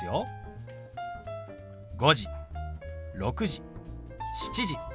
「５時」「６時」「７時」。